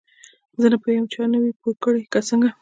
زه نه پوهیږم چا نه وې پوه کړې که څنګه.